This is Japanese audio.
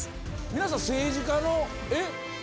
皆さん、政治家の、え？